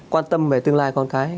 quan tâm về tương lai con cái